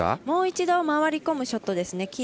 もう一度回り込むショットですね。